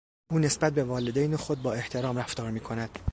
او نسبت به والدین خود با احترام رفتار میکند.